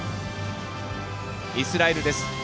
イスラエルです。